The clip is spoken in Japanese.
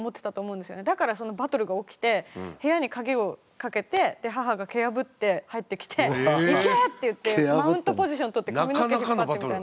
だからそのバトルが起きて部屋に鍵をかけてで母が蹴破って入ってきて「行け！」って言ってマウントポジション取って髪の毛引っ張ってみたいな。